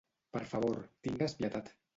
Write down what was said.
Per favor, tingues pietat.